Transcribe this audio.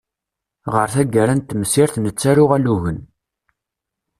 Ɣer taggara n temsirt nettaru alugen.